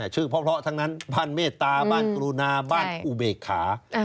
ชื่อเพราะทั้งนั้นบ้านเมตตาบ้านกรุณาบ้านอุเบกขา